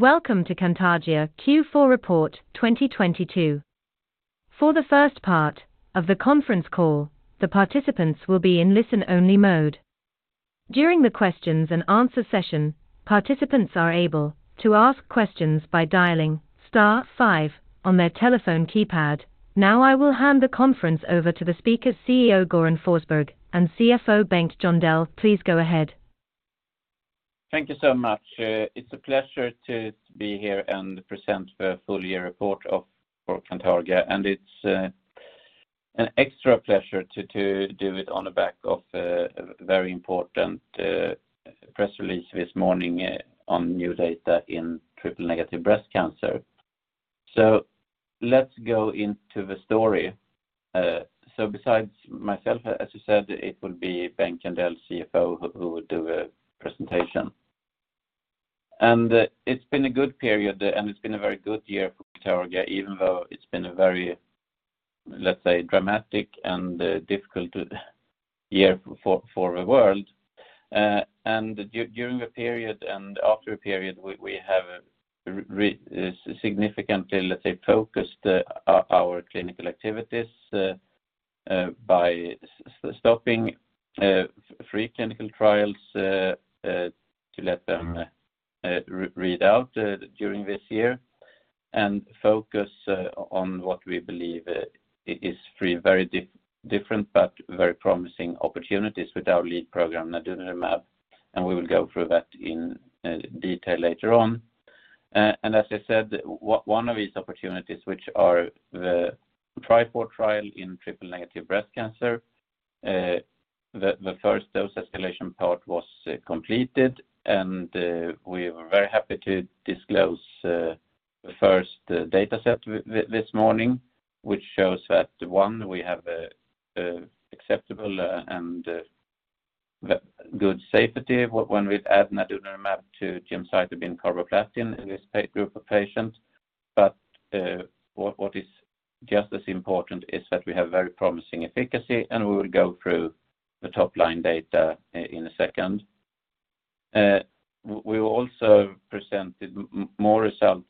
Welcome to Cantargia Q4 Report 2022. For the first part of the conference call, the participants will be in listen-only mode. During the questions and answer session, participants are able to ask questions by dialing star five on their telephone keypad. Now I will hand the conference over to the speakers CEO, Göran Forsberg, and CFO, Bengt Jörkel. Please go ahead. Thank you so much. It's a pleasure to be here and present the full year report for Cantargia, and it's an extra pleasure to do it on the back of a very important press release this morning on new data in triple-negative breast cancer. Let's go into the story. Besides myself, as you said, it will be Bengt Jöndell, CFO, who will do a presentation. It's been a good period, and it's been a very good year for Cantargia, even though it's been a very, let's say, dramatic and difficult year for the world. During the period and after the period, we have re... Significantly, let's say, focused our clinical activities, by stopping, three clinical trials, to let them read out during this year and focus on what we believe, is three very different but very promising opportunities with our lead program, nadunolimab, and we will go through that in detail later on. As I said, one of these opportunities, which are the TRIFOUR trial in triple-negative breast cancer, the first dose escalation part was completed, and we were very happy to disclose the first dataset this morning, which shows that, one, we have a acceptable, and good safety when we add nadunolimab to gemcitabine carboplatin in this group of patients. What is just as important is that we have very promising efficacy, and we will go through the top-line data in a second. We also presented more results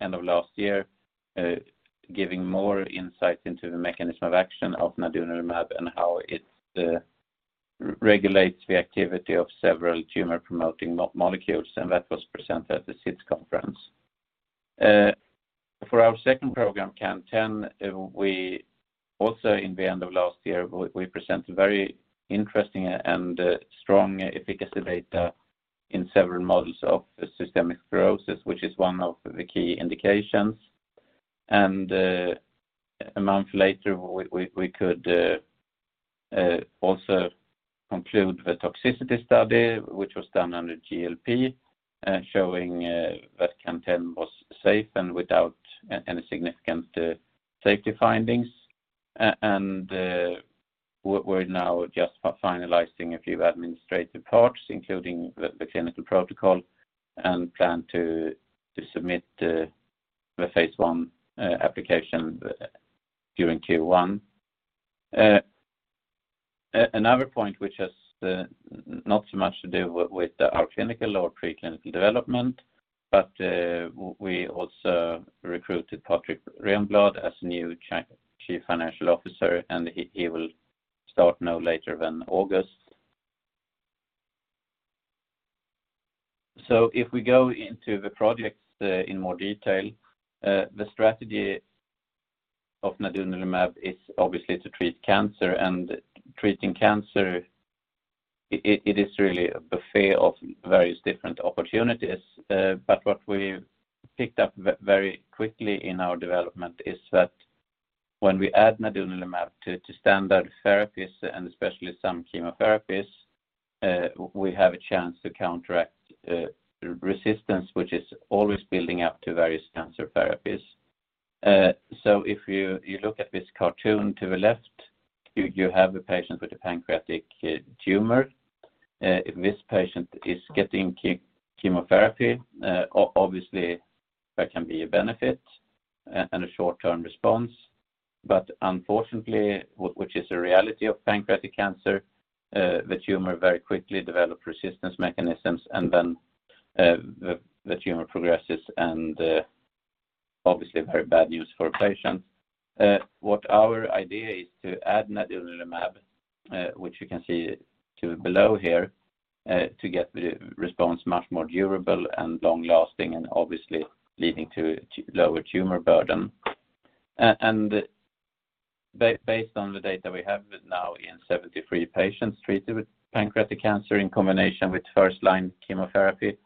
end of last year, giving more insight into the mechanism of action of nadunolimab and how it regulates the activity of several tumor-promoting molecules, and that was presented at the SITC conference. For our second program, CAN10, we also in the end of last year, we presented very interesting and strong efficacy data in several models of systemic sclerosis, which is one of the key indications. A month later, we could also conclude the toxicity study, which was done under GLP, showing that CAN10 was safe and without any significant safety findings. We're now just finalizing a few administrative parts, including the clinical protocol and plan to submit the phase I application during Q1. Another point which has not so much to do with our clinical or preclinical development, but we also recruited Patrik Renblad as new Chief Financial Officer, and he will start no later than August. If we go into the projects in more detail, the strategy of nadunolimab is obviously to treat cancer. Treating cancer, it is really a buffet of various different opportunities. What we've picked up very quickly in our development is that when we add nadunolimab to standard therapies, and especially some chemotherapies, we have a chance to counteract resistance, which is always building up to various cancer therapies. If you look at this cartoon to the left, you have a patient with a pancreatic tumor. Obviously, there can be a benefit and a short-term response. Unfortunately, which is the reality of pancreatic cancer, the tumor very quickly develop resistance mechanisms, and then the tumor progresses and obviously very bad news for patients. What our idea is to add nadunolimab, which you can see to below here, to get the response much more durable and long-lasting and obviously leading to lower tumor burden. Based on the data we have now in 73 patients treated with pancreatic cancer in combination with first-line chemotherapy,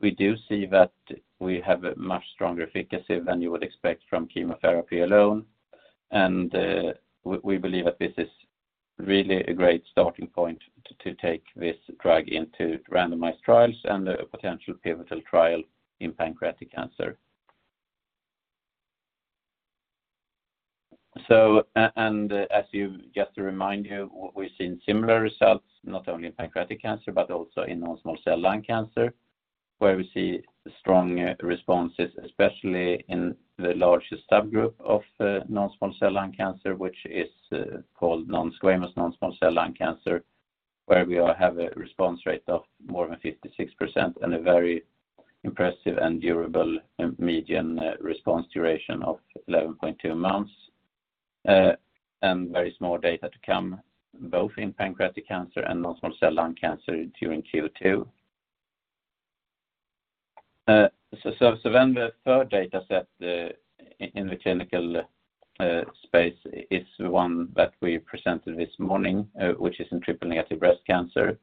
we do see that we have a much stronger efficacy than you would expect from chemotherapy alone. We believe that this is really a great starting point to take this drug into randomized trials and a potential pivotal trial in pancreatic cancer. Just to remind you, we've seen similar results not only in pancreatic cancer, but also in non-small cell lung cancer, where we see strong responses, especially in the largest subgroup of non-small cell lung cancer, which is called non-squamous non-small cell lung cancer, where we all have a response rate of more than 56% and a very impressive and durable median response duration of 11.2 months. Very small data to come, both in pancreatic cancer and non-small cell lung cancer during Q2. The third dataset in the clinical space is one that we presented this morning, which is in triple-negative breast cancer.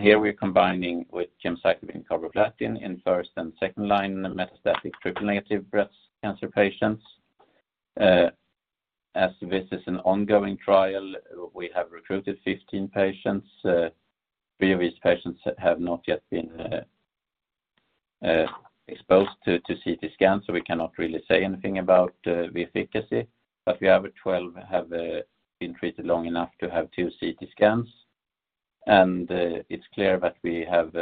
Here, we're combining with gemcitabine and carboplatin in first and second line in metastatic triple-negative breast cancer patients. As this is an ongoing trial, we have recruited 15 patients. Three of these patients have not yet been exposed to CT cans, so we cannot really say anything about the efficacy. We have a 12 have been treated long enough to have two CT scans. It's clear that we have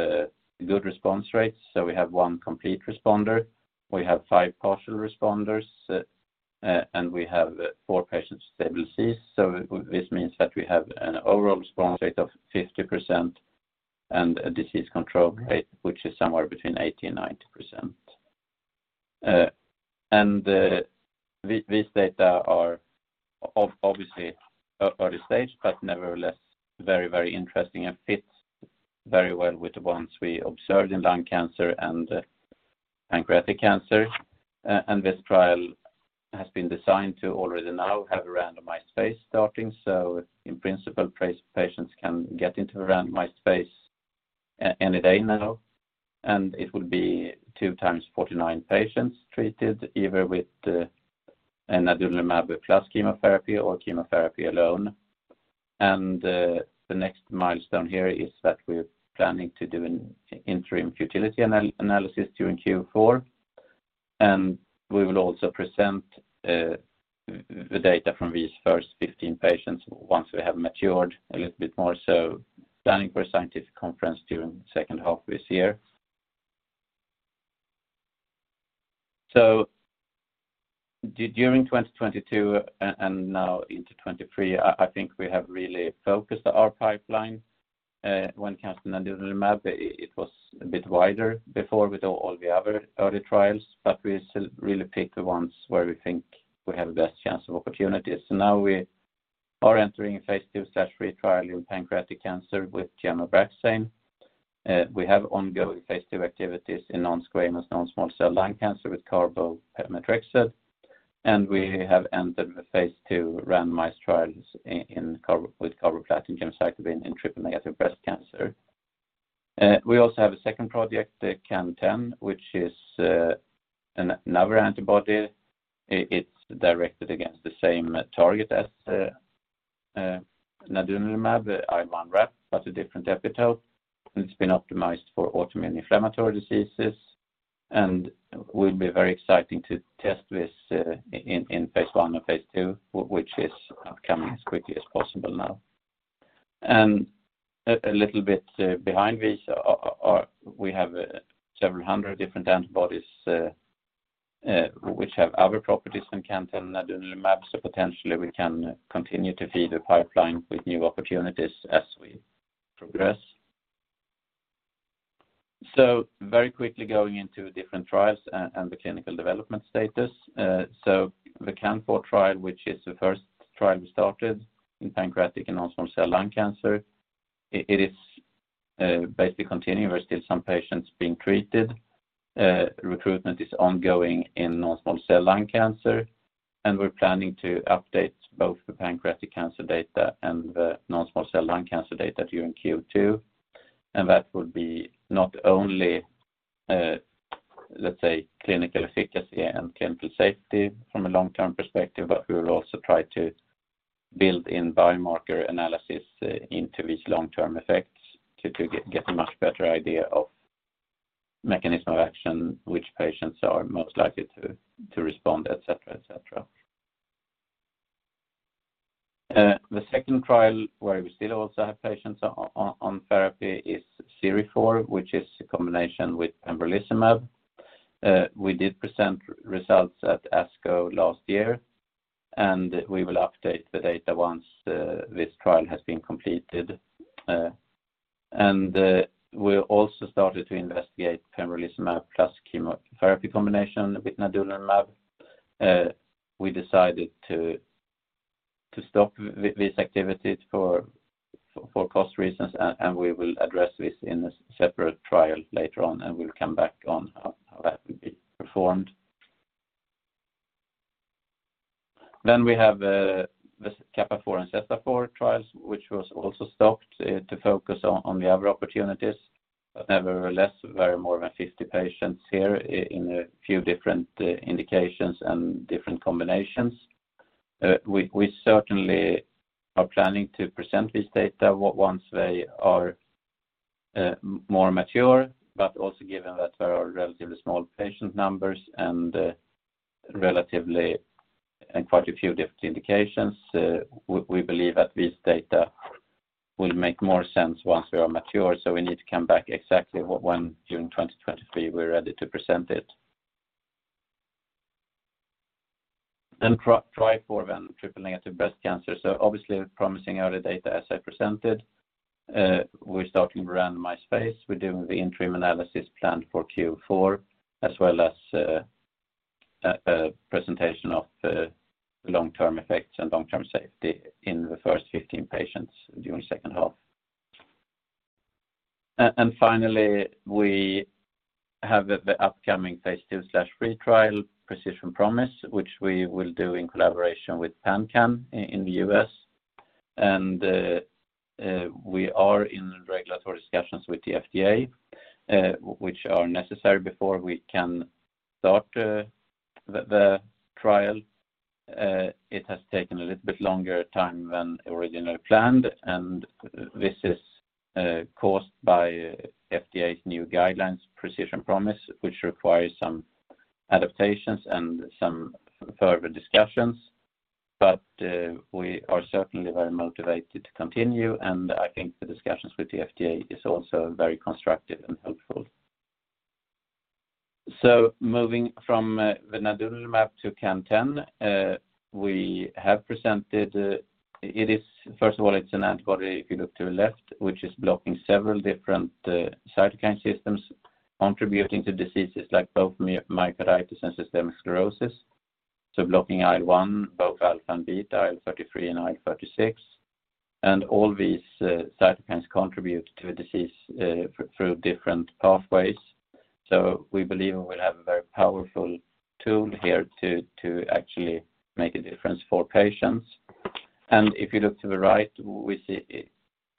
good response rates. We have one complete responder, we have five partial responders, and we have four patients stable disease. This means that we have an overall response rate of 50% and a disease control rate which is somewhere between 80% and 90%. These data are obviously early stage, but nevertheless, very, very interesting and fits very well with the ones we observed in lung cancer and pancreatic cancer. This trial has been designed to already now have a randomized phase starting. In principle, phase patients can get into a randomized phase any day now, and it will be two times 49 patients treated either with nadunolimab plus chemotherapy or chemotherapy alone. The next milestone here is that we're planning to do an interim futility analysis during Q4. We will also present the data from these first 15 patients once we have matured a little bit more, so planning for a scientific conference during the second half of this year. During 2022 and now into 2023, I think we have really focused our pipeline when it comes to nadunolimab. It was a bit wider before with all the other early trials. We still really pick the ones where we think we have the best chance of opportunities. Now we are entering a phase II or phase III trial in pancreatic cancer with gemcitabine and Abraxane. We have ongoing phase II activities in non-squamous non-small cell lung cancer with carboplatin/gemcitabine. We have entered the phase II randomized trials with carboplatin/gemcitabine in triple-negative breast cancer. We also have a second project, the CAN10, which is another antibody. It's directed against the same target as nadunolimab, the IL1RAP, but a different epitope. It's been optimized for autoimmune inflammatory diseases and will be very exciting to test this in phase I or phase II, which is upcoming as quickly as possible now. A little bit behind this, we have several hundred different antibodies, which have other properties than CAN10 and nadunolimab. Potentially, we can continue to feed the pipeline with new opportunities as we progress. Very quickly going into different trials and the clinical development status. The CANFOUR trial, which is the first trial we started in pancreatic and non-small cell lung cancer, it is basically continuing. There are still some patients being treated. Recruitment is ongoing in non-small cell lung cancer, and we're planning to update both the pancreatic cancer data and the non-small cell lung cancer data during Q2. That would be not only, let's say, clinical efficacy and clinical safety from a long-term perspective, but we will also try to build in biomarker analysis into these long-term effects to get a much better idea of mechanism of action, which patients are most likely to respond, et cetera, et cetera. The second trial where we still also have patients on therapy is CIRIFOUR, which is a combination with pembrolizumab. We did present results at ASCO last year, and we will update the data once this trial has been completed. And we also started to investigate pembrolizumab plus chemotherapy combination with nadunolimab. We decided to stop these activities for cost reasons, and we will address this in a separate trial later on, and we'll come back on how that will be performed. We have the CAPAFOUR and CESTAFOUR trials, which was also stopped to focus on the other opportunities. Nevertheless, there are more than 50 patients here in a few different indications and different combinations. We certainly are planning to present this data once they are more mature, but also given that there are relatively small patient numbers and relatively and quite a few different indications, we believe that this data will make more sense once we are mature, so we need to come back exactly when, during 2023 we're ready to present it. TRIFOUR triple-negative breast cancer. Obviously promising early data as I presented. We're starting the randomized phase. We're doing the interim analysis planned for Q4, as well as a presentation of long-term effects and long-term safety in the first 15 patients during second half. Finally, we have the upcoming phase II or phase III trial, Precision Promise, which we will do in collaboration with PanCAN in the U.S. We are in regulatory discussions with the FDA, which are necessary before we can start the trial. It has taken a little bit longer time than originally planned, and this is caused by FDA's new guidelines, Precision Promise, which requires some adaptations and some further discussions. We are certainly very motivated to continue, and I think the discussions with the FDA is also very constructive and helpful. Moving from the nadunolimab to CAN10, we have presented. It's an antibody, if you look to the left, which is blocking several different cytokine systems contributing to diseases like both myocarditis and systemic sclerosis. Blocking IL-1, both alpha and beta, IL-33 and IL-36. All these cytokines contribute to the disease through different pathways. We believe we have a very powerful tool here to actually make a difference for patients. If you look to the right, we see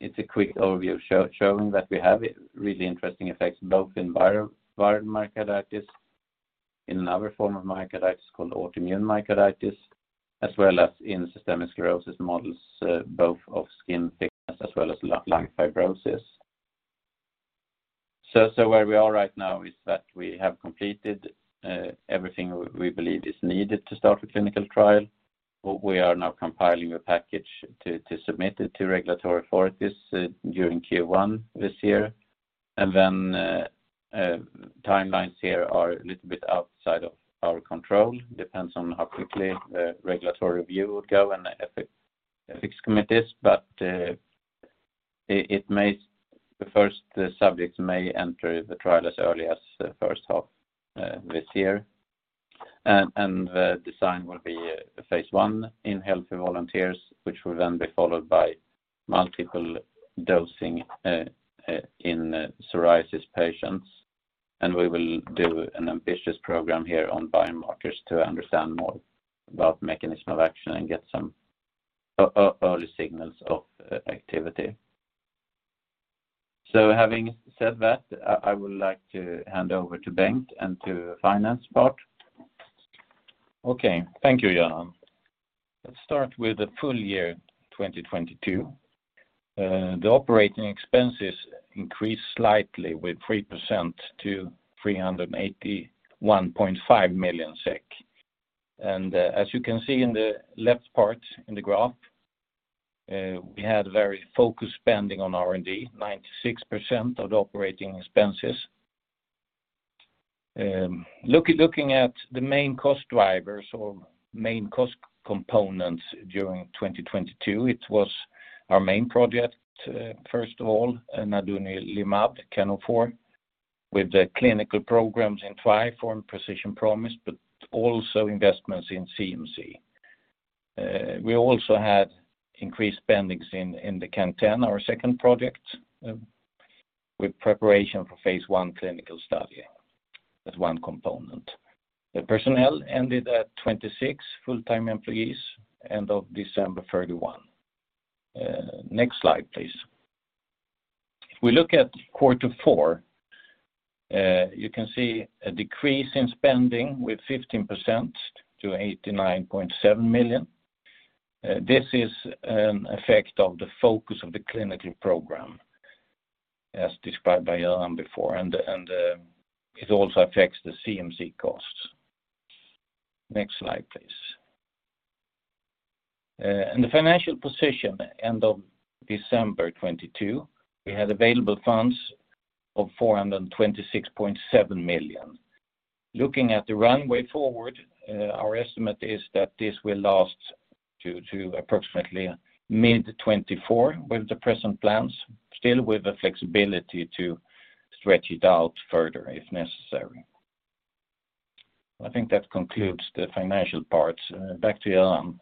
it's a quick overview showing that we have really interesting effects both in viral myocarditis, in another form of myocarditis called autoimmune myocarditis, as well as in systemic sclerosis models, both of skin thickness as well as lung fibrosis. Where we are right now is that we have completed everything we believe is needed to start the clinical trial. We are now compiling a package to submit it to regulatory authorities during Q1 this year. Timelines here are a little bit outside of our control. Depends on how quickly the regulatory review will go and ethics committees. The first subjects may enter the trial as early as the first half this year. The design will be phase I in healthy volunteers, which will then be followed by multiple dosing in psoriasis patients. We will do an ambitious program here on biomarkers to understand more about mechanism of action and get some early signals of activity. Having said that, I would like to hand over to Bengt and to finance part. Okay. Thank you, Göran. Let's start with the full year 2022. The operating expenses increased slightly with 3% to 381.5 million SEK. As you can see in the left part in the graph, we had very focused spending on R&D, 96% of the operating expenses. Looking at the main cost drivers or main cost components during 2022, it was our main project, first of all, nadunolimab, CAN04, with the clinical programs in TRIFOUR and Precision Promise, but also investments in CMC. We also had increased spendings in the CAN10, our second project, with preparation for phase I clinical study as one component. The personnel ended at 26 full-time employees end of December 31. Next slide, please. If we look at quarter four, you can see a decrease in spending with 15% to 89.7 million. This is an effect of the focus of the clinical program as described by Göran before, and it also affects the CMC costs. Next slide, please. The financial position end of December 2022, we had available funds of 426.7 million. Looking at the runway forward, our estimate is that this will last to approximately mid 2024 with the present plans, still with the flexibility to stretch it out further if necessary. I think that concludes the financial part. Back to Göran.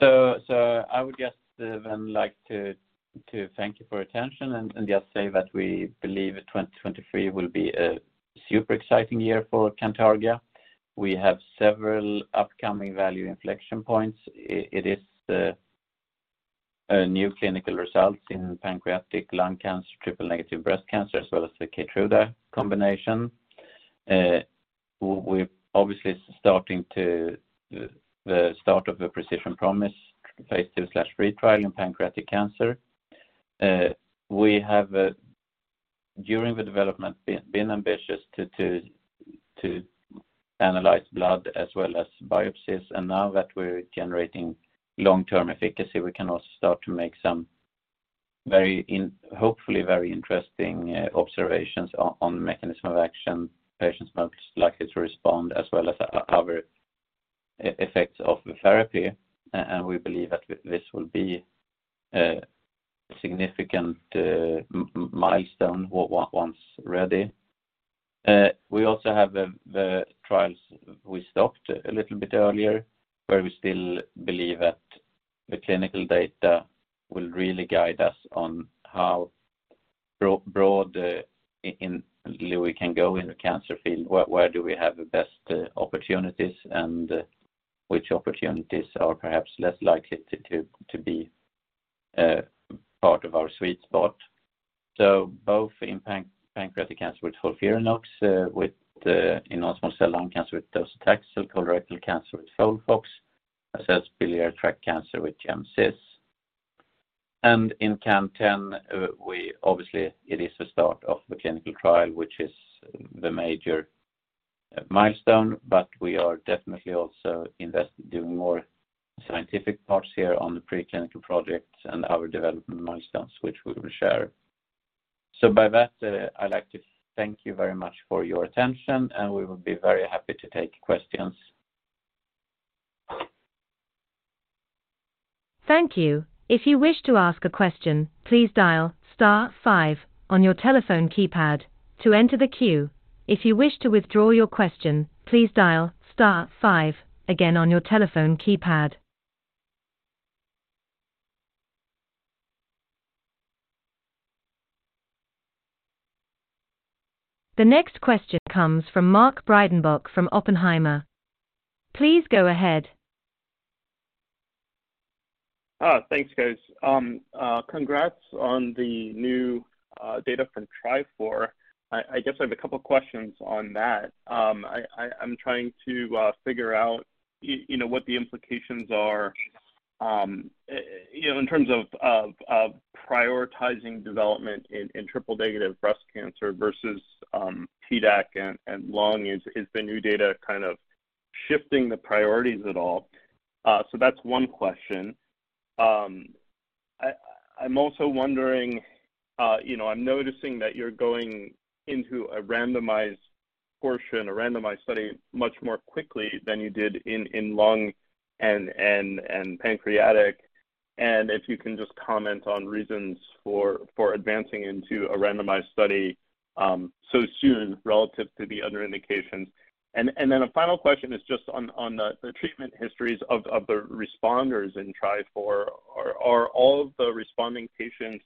I would just then like to thank you for your attention and just say that we believe 2023 will be a super exciting year for Cantargia. We have several upcoming value inflection points. It is the new clinical results in pancreatic lung cancer, triple-negative breast cancer, as well as the KEYTRUDA combination. We're obviously starting to the start of the Precision Promise phase II or phase III trial in pancreatic cancer. We have During the development, been ambitious to analyze blood as well as biopsies. Now that we're generating long-term efficacy, we can also start to make some very hopefully very interesting observations on mechanism of action, patients most likely to respond, as well as other effects of the therapy. We believe that this will be a significant milestone once ready. We also have the trials we stopped a little bit earlier, where we still believe that the clinical data will really guide us on how broad we can go in the cancer field, where do we have the best opportunities and which opportunities are perhaps less likely to be part of our sweet spot. Both in pancreatic cancer with FOLFIRINOX in small cell lung cancer with docetaxel, colorectal cancer with FOLFOX, as well as biliary tract cancer with gemcitabine. In CAN10, we obviously it is the start of the clinical trial, which is the major milestone, but we are definitely also doing more scientific parts here on the preclinical projects and our development milestones, which we will share. By that, I'd like to thank you very much for your attention, and we will be very happy to take questions. Thank you. If you wish to ask a question, please dial star five on your telephone keypad to enter the queue. If you wish to withdraw your question, please dial star five again on your telephone keypad. The next question comes from Mark Breidenbach from Oppenheimer. Please go ahead. Thanks, guys. Congrats on the new data from TRIFOUR. I guess I have a couple questions on that. I'm trying to figure out, you know, what the implications are, you know, in terms of prioritizing development in triple-negative breast cancer versus PDAC and lung. Is the new data kind of shifting the priorities at all? That's one question. I'm also wondering, you know, I'm noticing that you're going into a randomized portion, a randomized study much more quickly than you did in lung and pancreatic. If you can just comment on reasons for advancing into a randomized study so soon relative to the other indications. Then a final question is just on the treatment histories of the responders in TRIFOUR. Are all of the responding patients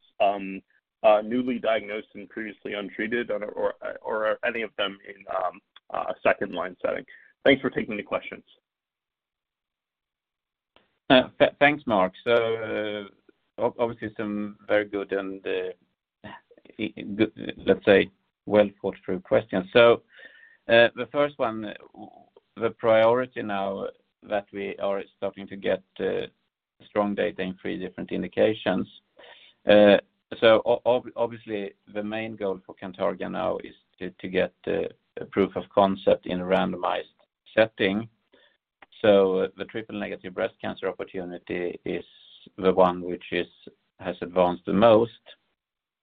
newly diagnosed and previously untreated, or are any of them in a second line setting? Thanks for taking the questions. Thanks, Mark. Obviously some very good and, let's say well-thought through questions. The first one, the priority now that we are starting to get strong data in three different indications. Obviously the main goal for Cantargia now is to get a proof of concept in a randomized setting. The triple-negative breast cancer opportunity is the one which has advanced the most.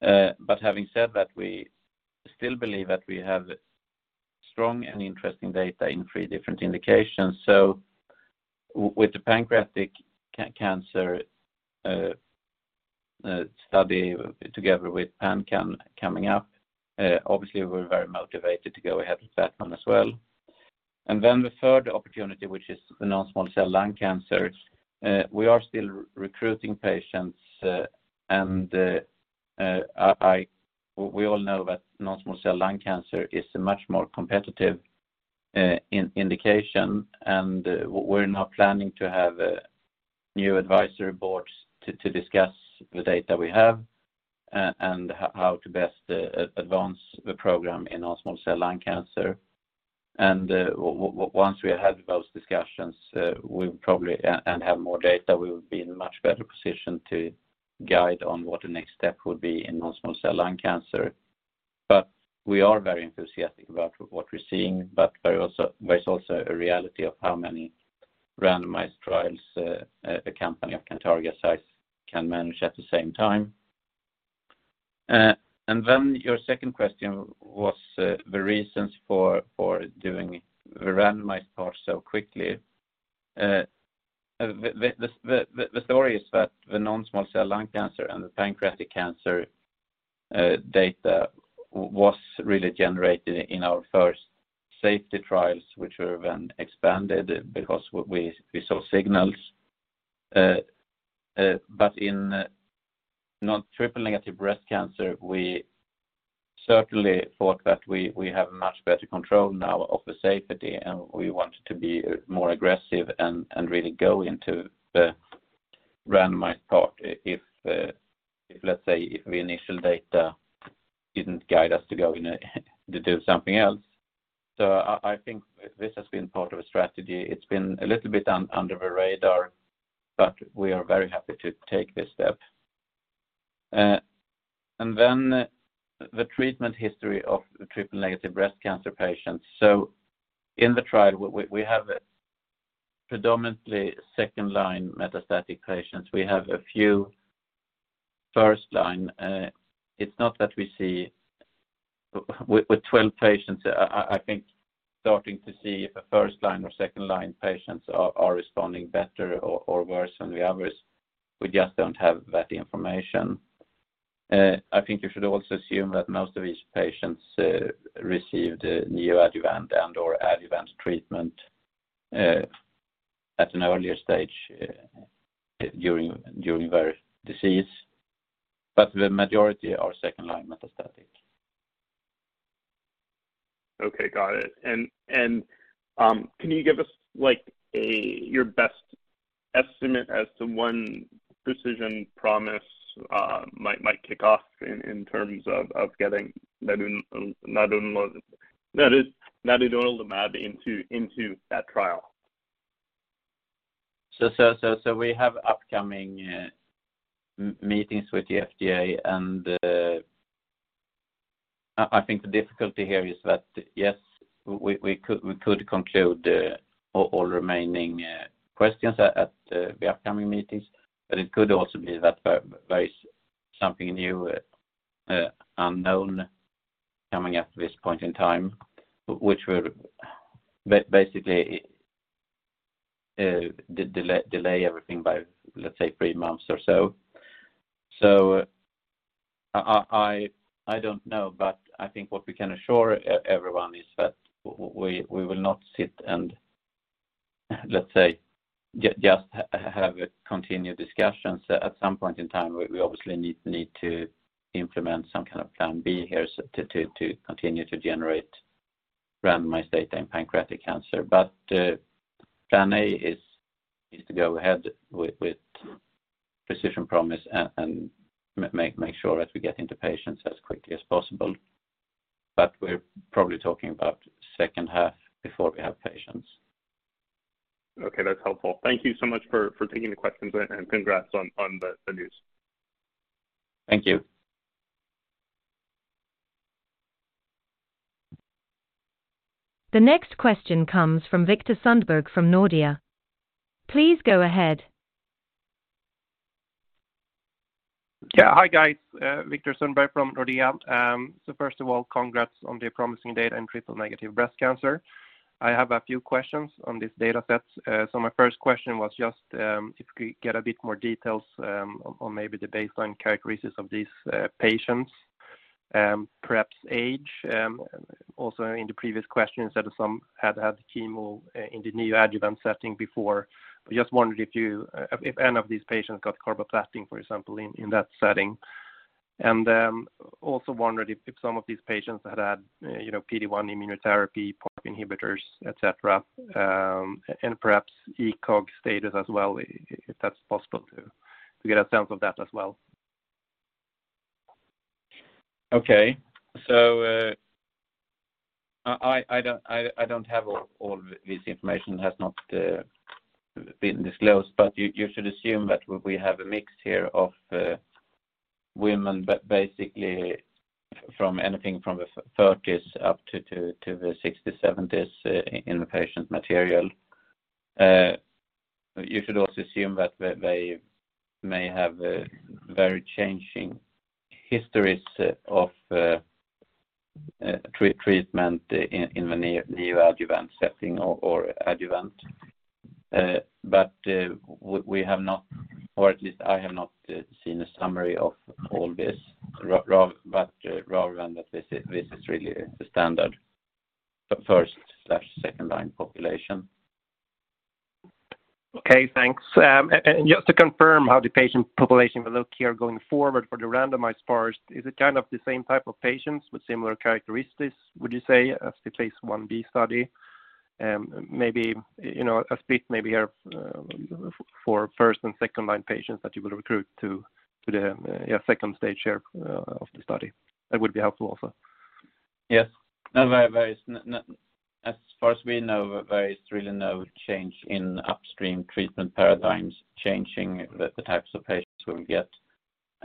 Having said that, we still believe that we have strong and interesting data in three different indications. With the pancreatic cancer study together with PanCAN coming up, obviously we're very motivated to go ahead with that one as well. The third opportunity, which is the non-small cell lung cancer, we are still recruiting patients, and I... We all know that non-small cell lung cancer is a much more competitive indication, and we're now planning to have new advisory boards to discuss the data we have and how to best advance the program in non-small cell lung cancer. Once we have had those discussions, we'll probably and have more data, we will be in a much better position to guide on what the next step would be in non-small cell lung cancer. We are very enthusiastic about what we're seeing, but there is also a reality of how many randomized trials a company of Cantargia's size can manage at the same time. Your second question was the reasons for doing the randomized part so quickly. The story is that the non-small cell lung cancer and the pancreatic cancer, data was really generated in our first safety trials, which were then expanded because we saw signals. In non-triple-negative breast cancer, we certainly thought that we have much better control now of the safety, and we want to be more aggressive and really go into the randomized part if, let's say, if the initial data didn't guide us to go in a... to do something else. I think this has been part of a strategy. It's been a little bit under the radar, but we are very happy to take this step. The treatment history of the triple-negative breast cancer patients. In the trial, we have predominantly second-line metastatic patients. We have a few first-line. It's not that we see with 12 patients, I think starting to see if first-line or second-line patients are responding better or worse than the others. We just don't have that information. I think you should also assume that most of these patients received neoadjuvant and/or adjuvant treatment at an earlier stage during their disease. The majority are second-line metastatic. Okay, got it. Can you give us your best estimate as to when Precision Promise might kick off in terms of getting nadunolimab into that trial? We have upcoming meetings with the FDA, and I think the difficulty here is that, yes, we could conclude the all remaining questions at the upcoming meetings, but it could also be that there is something new, unknown coming at this point in time, which will basically delay everything by, let's say, three months or so. I don't know, but I think what we can assure everyone is that we will not sit and, let's say, just have a continued discussions. At some point in time, we obviously need to implement some kind of plan B here so to continue to generate randomized data in pancreatic cancer. Plan A is to go ahead with Precision Promise and make sure that we get into patients as quickly as possible. We're probably talking about second half before we have patients. Okay, that's helpful. Thank you so much for taking the questions. Congrats on the news. Thank you. The next question comes from Viktor Sundberg from Nordea. Please go ahead. Yeah. Hi, guys, Viktor Sundberg from Nordea. First of all, congrats on the promising data in triple-negative breast cancer. I have a few questions on this data set. My first question was just, if we could get a bit more details on maybe the baseline characteristics of these patients, perhaps age, also in the previous questions that some had had chemo in the neoadjuvant setting before. Just wondered if you if any of these patients got carboplatin, for example, in that setting. Also wondered if some of these patients had, you know, PD-1 immunotherapy, PARP inhibitors, et cetera, and perhaps ECOG status as well, if that's possible to get a sense of that as well. Okay. I don't have all this information. It has not been disclosed, you should assume that we have a mix here of women, but basically from anything from the 30s up to the 60s, 70s in the patient material. You should also assume that they may have very changing histories of treatment in the neoadjuvant setting or adjuvant. We have not, or at least I have not, seen a summary of all this rather than that, this is really the standard first/second line population. Okay. Thanks. Just to confirm how the patient population will look here going forward for the randomized part, is it kind of the same type of patients with similar characteristics, would you say, as the phase Ib study? maybe, you know, a split maybe here, for first- and second-line patients that you will recruit to the second stage here, of the study. That would be helpful also. Yes. There is as far as we know, there is really no change in upstream treatment paradigms changing the types of patients we'll get,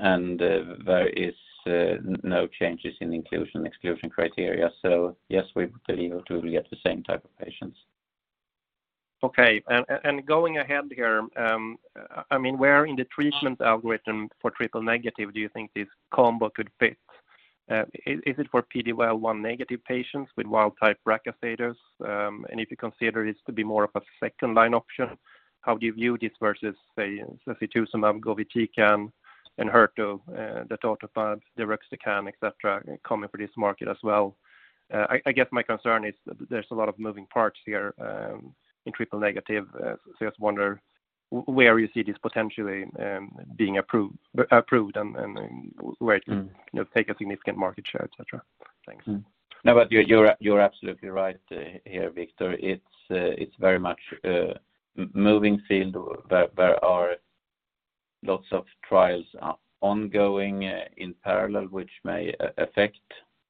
and there is no changes in inclusion, exclusion criteria. Yes, we believe we will get the same type of patients. Okay. I mean, where in the treatment algorithm for triple-negative do you think this combo could fit? Is it for PD-L1 negative patients with wild type BRCA status? If you consider this to be more of a second line option, how do you view this versus, say, sacituzumab govitecan and Enhertu, datopotamab deruxtecan, et cetera, coming for this market as well? I guess my concern is there's a lot of moving parts here in triple-negative. I just wonder where you see this potentially being approved and where it can, you know, take a significant market share, et cetera. Thanks. You're absolutely right here, Viktor. It's very much a moving field. There are lots of trials ongoing in parallel, which may affect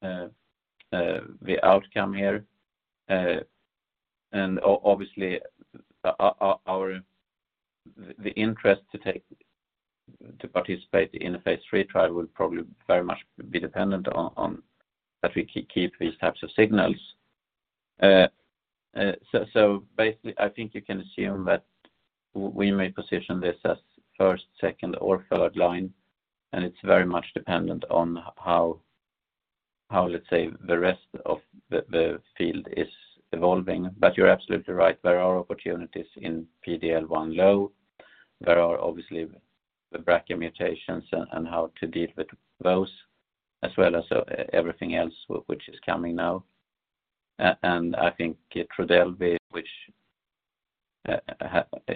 the outcome here. The interest to participate in a phase III trial will probably very much be dependent on that we keep these types of signals. Basically, I think you can assume that we may position this as first, second, or third line, it's very much dependent on how, let's say, the rest of the field is evolving. You're absolutely right. There are opportunities in PD-L1 low. There are obviously the BRCA mutations and how to deal with those as well as everything else which is coming now. I think TRODELVY which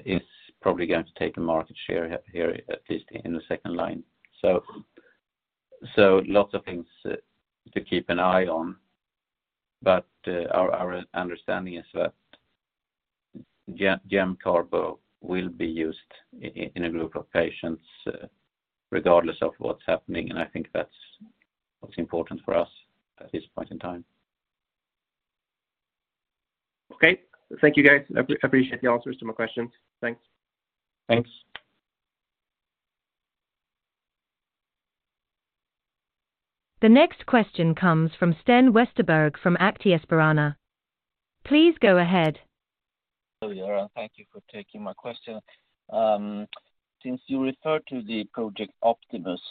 is probably going to take a market share here, at least in the second line. Lots of things to keep an eye on. Our understanding is that GemCarbo will be used in a group of patients regardless of what's happening, and I think that's what's important for us at this point in time. Okay. Thank you, guys. I appreciate the answers to my questions. Thanks. Thanks. The next question comes from Sten Westerberg from Aktiespararna. Please go ahead. Hello, Göran. Thank you for taking my question. Since you referred to Project Optimus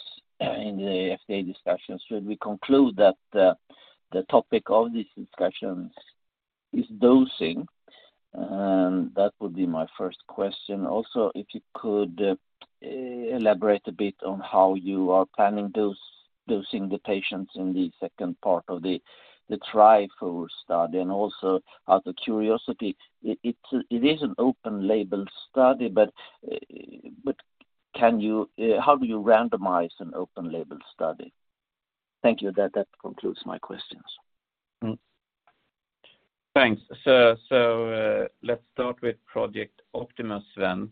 in the FDA discussions, should we conclude that the topic of these discussions is dosing? That would be my first question. Also, if you could elaborate a bit on how you are planning dosing the patients in the second part of the TRIFOUR study. Also, out of curiosity, it is an open label study, but how do you randomize an open label study? Thank you. That concludes my questions. Thanks. Let's start with Project Optimus then.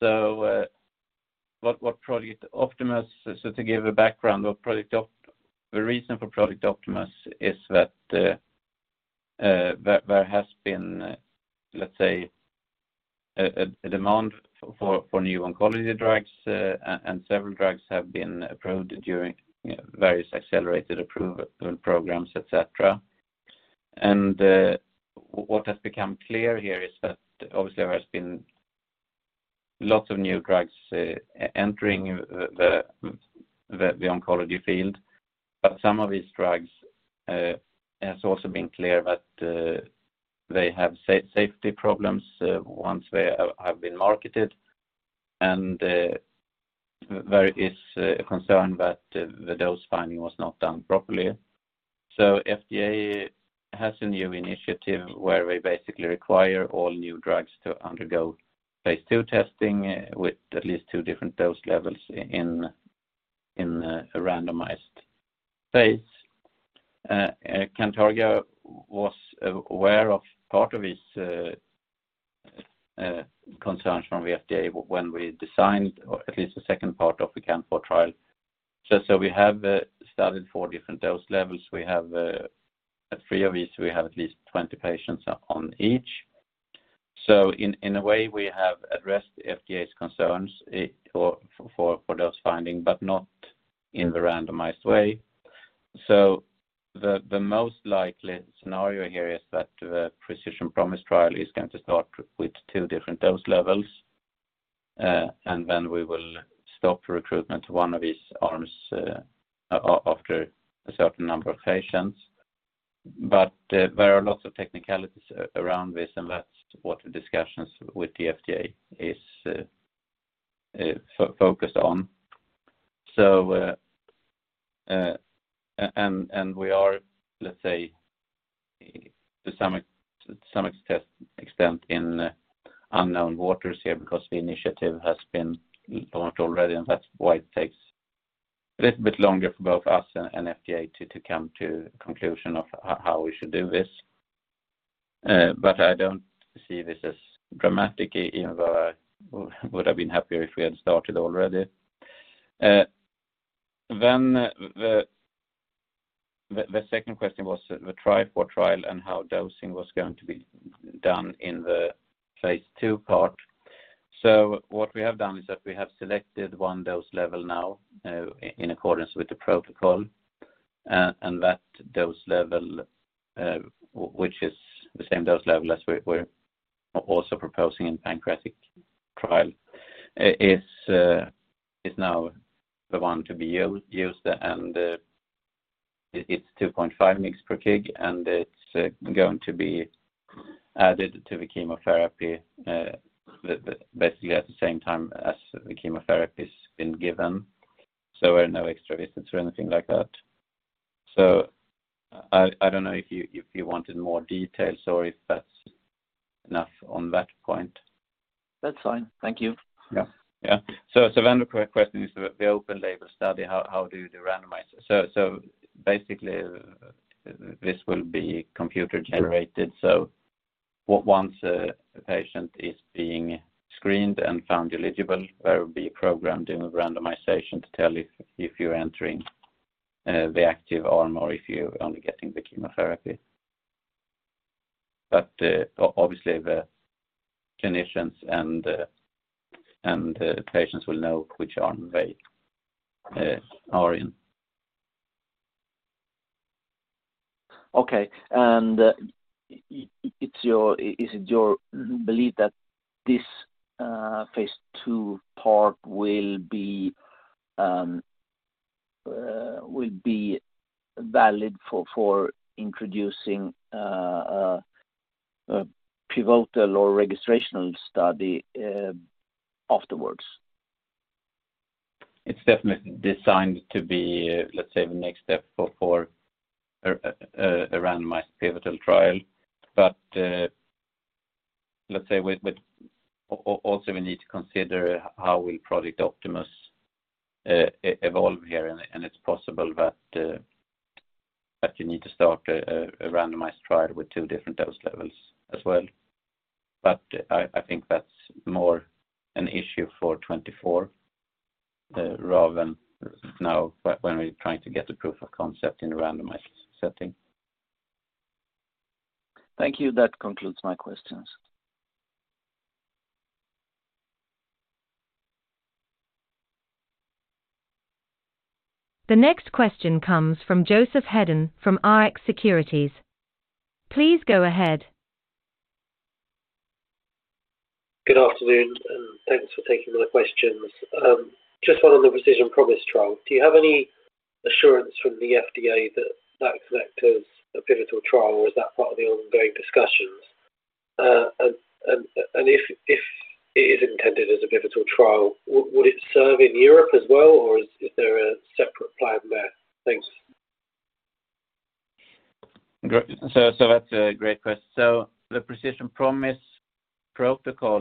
What Project Optimus... To give a background of Project Optimus. The reason for Project Optimus is that there has been, let's say, a demand for new oncology drugs, and several drugs have been approved during, you know, various accelerated approval programs, et cetera. What has become clear here is that obviously there has been lots of new drugs entering the oncology field. Some of these drugs, it has also been clear that they have safety problems once they have been marketed, and there is a concern that the dose finding was not done properly. FDA has a new initiative where they basically require all new drugs to undergo phase II testing with at least two different dose levels in a randomized phase. Cantargia was aware of part of these concerns from the FDA when we designed or at least the second part of the CAN04 trial. We have studied four different dose levels. We have. At three of these, we have at least 20 patients on each. In a way, we have addressed FDA's concerns or for dose finding, but not in the randomized way. The most likely scenario here is that the Precision Promise trial is going to start with two different dose levels, and then we will stop recruitment to one of these arms after a certain number of patients. There are lots of technicalities around this, and that's what the discussions with the FDA is focused on. We are, let's say, to some extent in unknown waters here because the initiative has been launched already, and that's why it takes a little bit longer for both us and FDA to come to conclusion of how we should do this. I don't see this as dramatic, even though I would have been happier if we had started already. The second question was the TRIFOUR trial and how dosing was going to be done in the phase II part. What we have done is that we have selected one dose level now, in accordance with the protocol, and that dose level, which is the same dose level as we're also proposing in pancreatic trial, is now the one to be used, and it's 2.5 mg per kg, and it's going to be added to the chemotherapy. Basically at the same time as the chemotherapy's been given, so no extra visits or anything like that. I don't know if you, if you wanted more details or if that's enough on that point. That's fine. Thank you. Yeah. The question is the open label study, how do you randomize it? Basically, this will be computer-generated. Once a patient is being screened and found eligible, there will be a program doing a randomization to tell if you're entering the active arm or if you're only getting the chemotherapy. Obviously, the clinicians and and patients will know which arm they are in. Okay. Is it your belief that this phase II part will be valid for introducing a pivotal or registrational study afterwards? It's definitely designed to be, let's say, the next step for a randomized pivotal trial. Also we need to consider how will Project Optimus evolve here, and it's possible that you need to start a randomized trial with two different dose levels as well. I think that's more an issue for 2024 rather than now when we're trying to get the proof of concept in a randomized setting. Thank you. That concludes my questions. The next question comes from Joseph Hedden from Rx Securities. Please go ahead. Good afternoon, and thanks for taking my questions. Just one on the Precision Promise trial. Do you have any assurance from the FDA that that's acted as a pivotal trial, or is that part of the ongoing discussions? If it is intended as a pivotal trial, would it serve in Europe as well, or is there a separate plan there? Thanks. Great. That's a great question. The Precision Promise protocol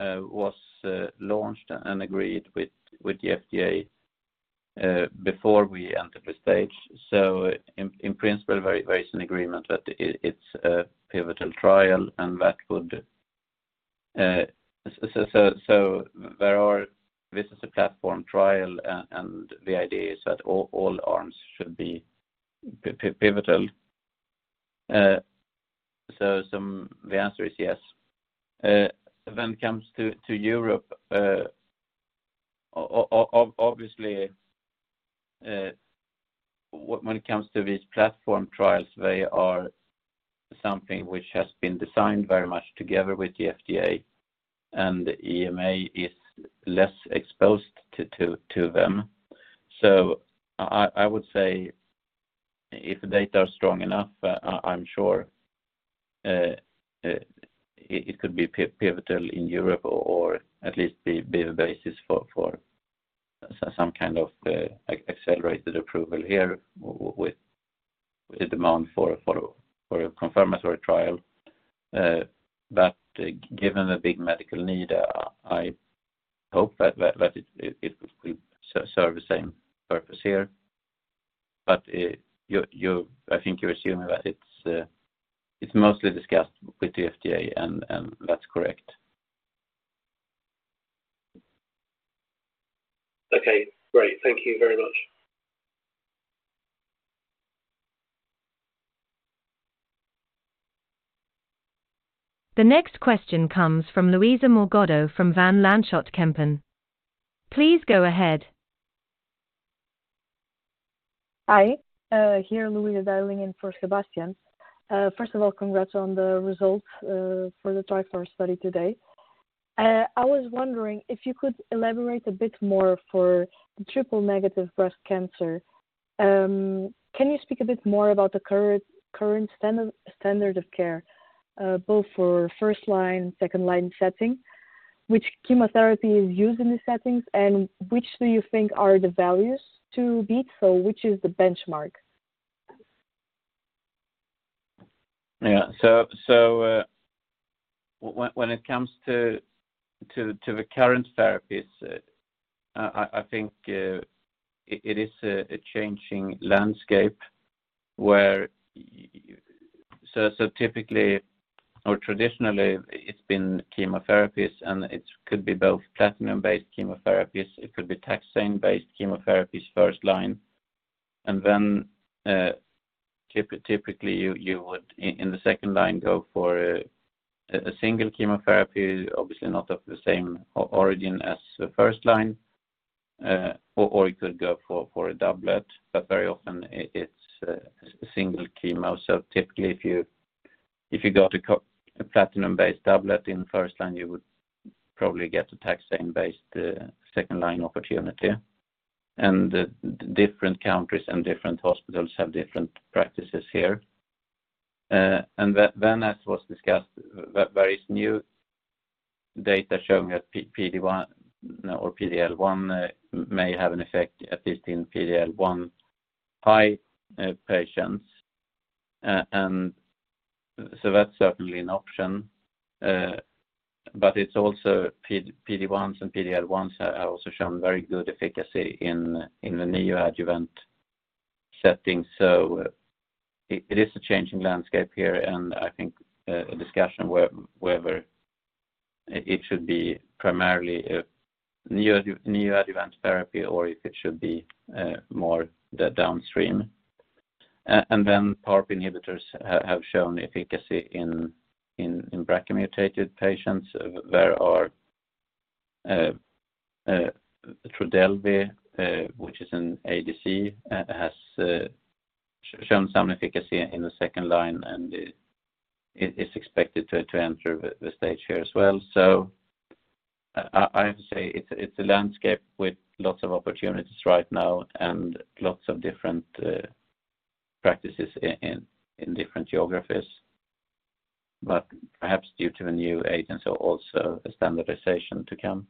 was launched and agreed with the FDA before we entered this stage. In principle, there is an agreement that it's a pivotal trial, and that would. This is a platform trial and the idea is that all arms should be pivotal. The answer is yes. When it comes to Europe, obviously, when it comes to these platform trials, they are something which has been designed very much together with the FDA, and EMA is less exposed to them. I would say if the data are strong enough, I'm sure it could be pivotal in Europe or at least be the basis for some kind of accelerated approval here with a demand for a confirmatory trial. But given the big medical need, I hope that it would serve the same purpose here. You're... I think you're assuming that it's mostly discussed with the FDA and that's correct. Okay, great. Thank you very much. The next question comes from Luisa Morgado from Van Lanschot Kempen. Please go ahead. Hi. Here Luisa dialing in for Sebastian. First of all, congrats on the results for the TRIFOUR study today. I was wondering if you could elaborate a bit more for triple-negative breast cancer. Can you speak a bit more about the current standard of care, both for first-line and second-line setting, which chemotherapy is used in these settings, and which do you think are the values to beat, so which is the benchmark? When it comes to the current therapies, I think it is a changing landscape where... Typically or traditionally it's been chemotherapies and it could be both platinum-based chemotherapies, it could be taxane-based chemotherapies first line. Typically you would in the second line go for a single chemotherapy, obviously not of the same origin as the first line, or you could go for a doublet. Very often it's a single chemo. Typically, if you go to a platinum-based doublet in first line, you would probably get a taxane-based second-line opportunity. Different countries and different hospitals have different practices here. As was discussed, there is new data showing that PD-1... No or PD-L1 may have an effect, at least in PD-L1 high patients. That's certainly an option. It's also PD-1s and PD-L1s have also shown very good efficacy in the neoadjuvant settings. It is a change in landscape here, and I think a discussion whether it should be primarily a neoadjuvant therapy or if it should be more the downstream. PARP inhibitors have shown efficacy in BRCA-mutated patients. There are TRODELVY, which is an ADC, has shown some efficacy in the second line and it is expected to enter the stage here as well. I have to say it's a landscape with lots of opportunities right now and lots of different practices in different geographies, but perhaps due to the new agents or also a standardization to come.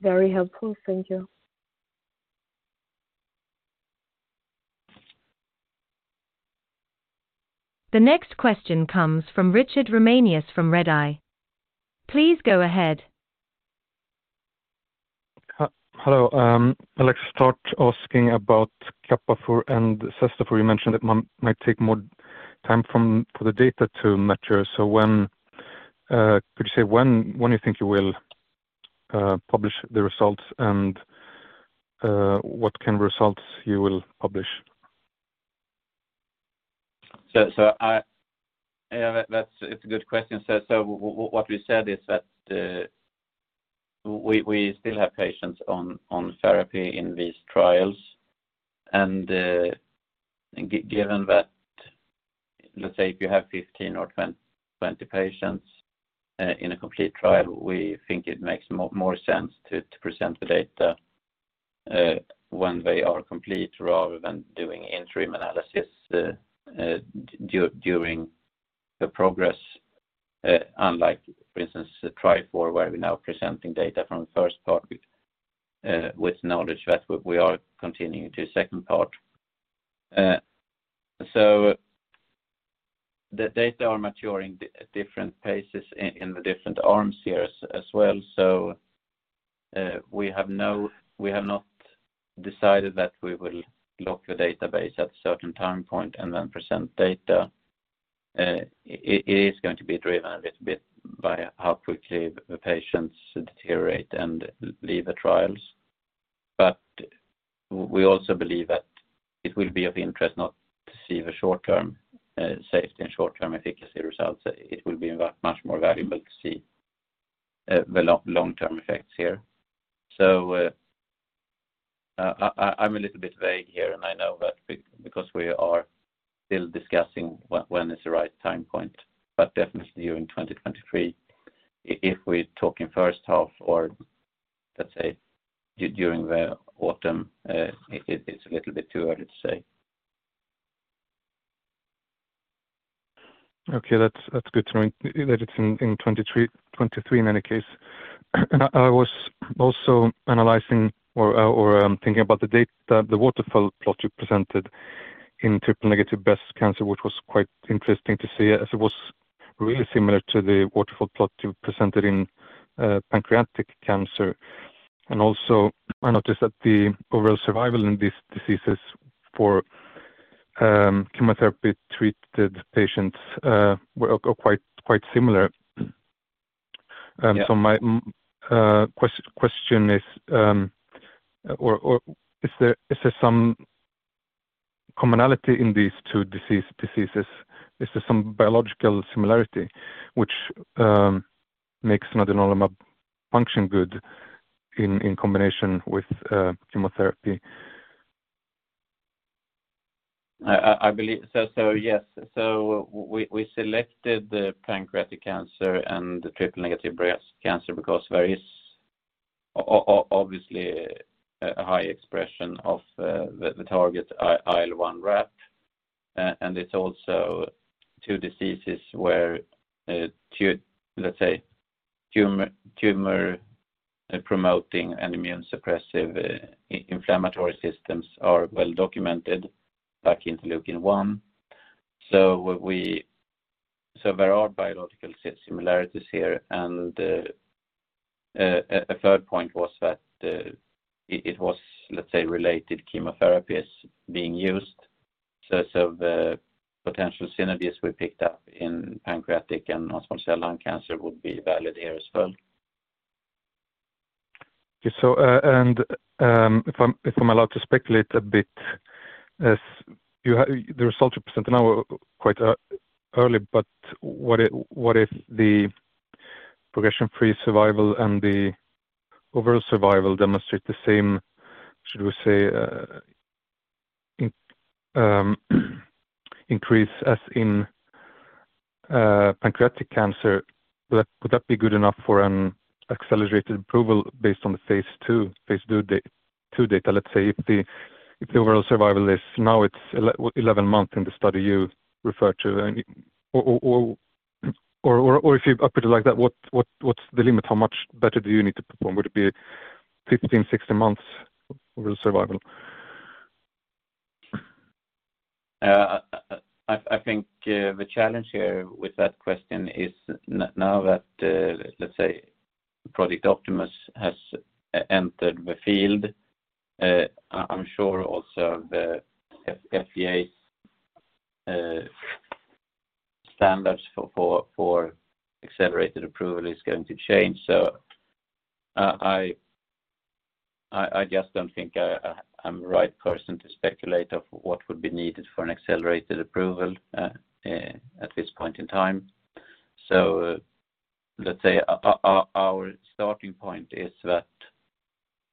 Very helpful. Thank you. The next question comes from Richard Ramanius from Redeye. Please go ahead. Hello. I'd like to start asking about CAPAFOUR and CESTAFOUR. You mentioned it might take more time for the data to mature. When, could you say when you think you will publish the results and what kind of results you will publish? I. Yeah, it's a good question. What we said is that we still have patients on therapy in these trials. Given that, let's say if you have 15 or 20 patients in a complete trial, we think it makes more sense to present the data when they are complete rather than doing interim analysis during the progress. Unlike, for instance, TRIFOUR, where we're now presenting data from the first part with knowledge that we are continuing to second part. The data are maturing at different paces in the different arms here as well. We have not decided that we will lock the database at a certain time point and then present data. It is going to be driven a little bit by how quickly the patients deteriorate and leave the trials. We also believe that it will be of interest not to see the short-term safety and short-term efficacy results. It will be much more valuable to see the long-term effects here. I am a little bit vague here and I know, but because we are still discussing when is the right time point, but definitely during 2023, if we are talking first half or let's say during the autumn, it is a little bit too early to say. Okay. That's good to know that it's in 2023 in any case. I was also analyzing or thinking about the data, the waterfall plot you presented in triple-negative breast cancer, which was quite interesting to see as it was really similar to the waterfall plot you presented in pancreatic cancer. Also I noticed that the overall survival in these diseases for chemotherapy-treated patients are quite similar. Yeah. My question is, or is there some commonality in these two diseases? Is there some biological similarity which makes nadunolimab function good in combination with chemotherapy? I believe so. Yes. We selected the pancreatic cancer and the triple-negative breast cancer because there is obviously a high expression of the target IL1RAP. And it's also two diseases where two. Let's say tumor promoting and immune suppressive inflammatory systems are well documented, like Interleukin-1. There are biological similarities here. A third point was that it was, let's say, related chemotherapies being used. The potential synergies we picked up in pancreatic and non-small cell lung cancer would be valid here as well. Okay. If I'm allowed to speculate a bit, the results you present now are quite early, but what if, what if the progression-free survival and the overall survival demonstrate the same, should we say, increase as in pancreatic cancer? Would that be good enough for an accelerated approval based on the phase II data? Let's say if the overall survival is now it's 11 months in the study you referred to. If you put it like that, what's the limit? How much better do you need to perform? Would it be 15, 16 months overall survival? I think the challenge here with that question is now that Project Optimus has entered the field, I'm sure also the FDA standards for accelerated approval is going to change. I just don't think I'm the right person to speculate of what would be needed for an accelerated approval at this point in time. Let's say our starting point is that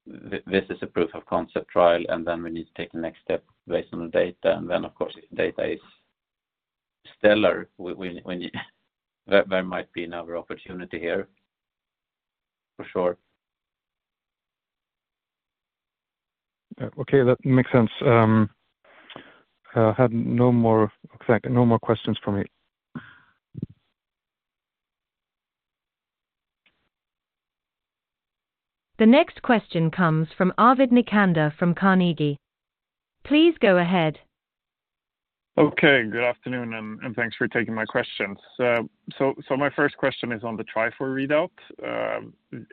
this is a proof of concept trial, and then we need to take the next step based on the data. Of course, if data is stellar, we There might be another opportunity here for sure. Okay, that makes sense. In fact, no more questions from me. The next question comes from Arvid Necander from Carnegie. Please go ahead. Okay, good afternoon, and thanks for taking my questions. My first question is on the TRIFOUR readout.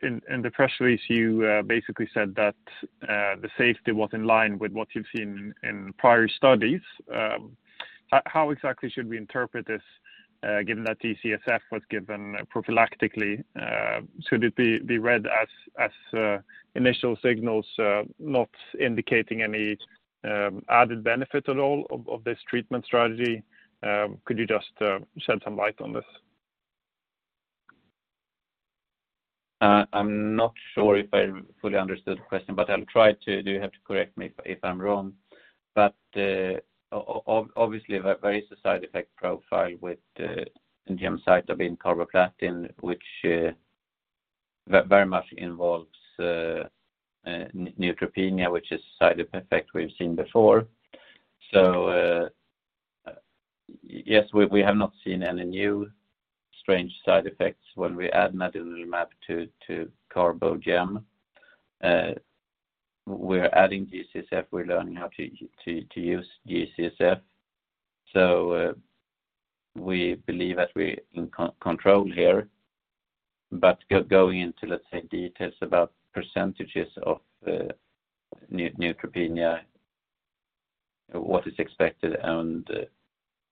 In the press release, you basically said that the safety was in line with what you've seen in prior studies. How exactly should we interpret this, given that G-CSF was given prophylactically? Should it be read as initial signals not indicating any added benefit at all of this treatment strategy? Could you just shed some light on this? I'm not sure if I fully understood the question, but I'll try to. You have to correct me if I'm wrong. Obviously, there is a side effect profile with gemcitabine carboplatin, which very much involves neutropenia, which is side effect we've seen before. Yes, we have not seen any new strange side effects when we add nadunolimab to carbo gem. We're adding G-CSF. We're learning how to use G-CSF. We believe that we're in control here. Going into, let's say, details about percentages of neutropenia, what is expected and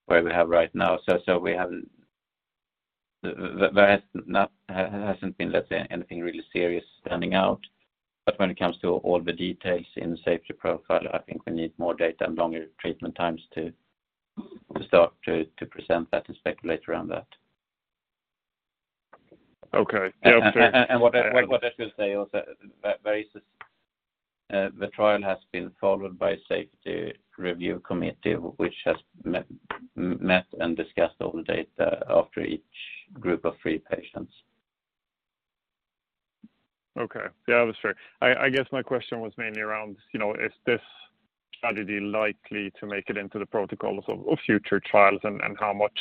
where we have right now. There hasn't been, let's say, anything really serious standing out. When it comes to all the details in safety profile, I think we need more data and longer treatment times to start to present that and speculate around that. Okay. Yeah. What I should say also, there is this. The trial has been followed by safety review committee, which has met and discussed all the data after each group of three patients. Okay. Yeah, that's fair. I guess my question was mainly around, you know, is this strategy likely to make it into the protocols of future trials, and how much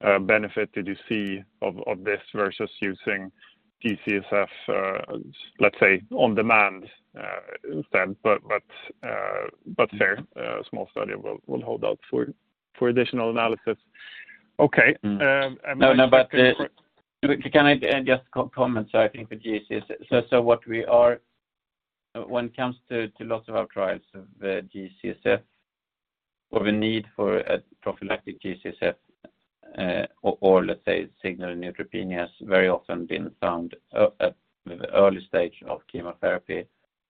benefit did you see of this versus using G-CSF, let's say, on demand, instead. Fair. A small study. We'll hold out for additional analysis. Okay. Mm. My second- Can I just comment? I think the G-CSF. When it comes to lots of our trials of G-CSF or the need for a prophylactic G-CSF or let's say signal neutropenia has very often been found at the early stage of chemotherapy.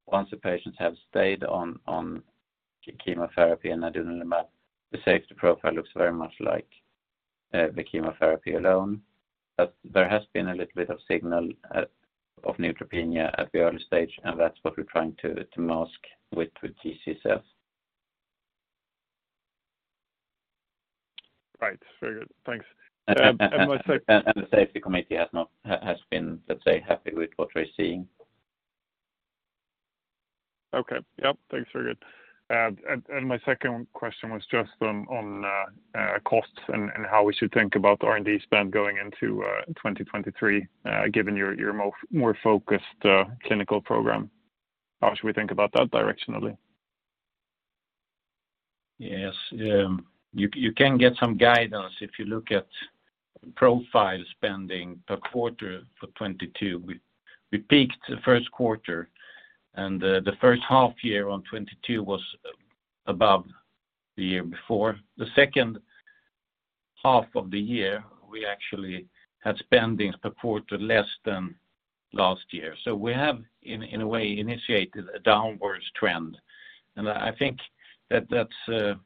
Once the patients have stayed on chemotherapy and nadunolimab, the safety profile looks very much like the chemotherapy alone. There has been a little bit of signal of neutropenia at the early stage, and that's what we're trying to mask with G-CSF. Right. Very good. Thanks. The safety committee has been, let's say, happy with what we're seeing. Okay. Yep. Thanks. Very good. My second question was just on costs and how we should think about R&D spend going into 2023, given your more focused clinical program. How should we think about that directionally? Yes. You can get some guidance if you look at profile spending per quarter for 2022. We peaked the first quarter, the first half year on 2022 was above the year before. The second half of the year, we actually had spendings per quarter less than last year. We have in a way, initiated a downwards trend. I think that that's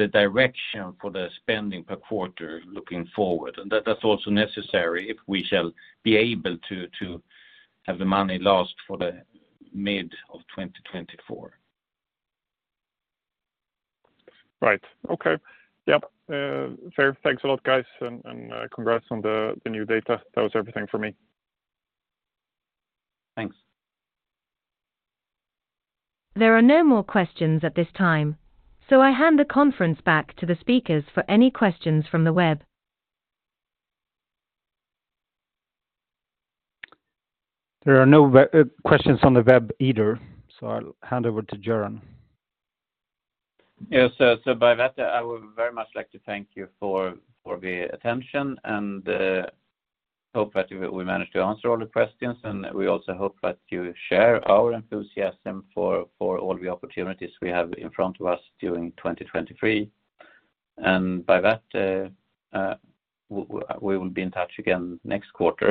the direction for the spending per quarter looking forward. That's also necessary if we shall be able to have the money last for the mid of 2024. Right. Okay. Yep. Fair. Thanks a lot, guys, and congrats on the new data. That was everything for me. Thanks. There are no more questions at this time, so I hand the conference back to the speakers for any questions from the web. There are no questions on the web either, so I'll hand over to Göran. Yeah. By that, I would very much like to thank you for the attention and hope that we managed to answer all the questions. We also hope that you share our enthusiasm for all the opportunities we have in front of us during 2023. By that, we will be in touch again next quarter.